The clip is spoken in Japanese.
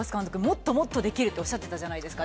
もっともっとできるとおっしゃってたじゃないですか。